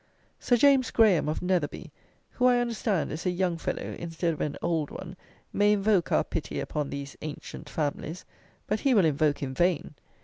Sir James Graham, of Netherby, who, I understand, is a young fellow instead of an old one, may invoke our pity upon these "ancient families," but he will invoke in vain.